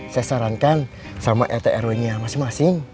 saya sarankan sama rt rw nya masing masing